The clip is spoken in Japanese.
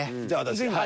じゃあ私。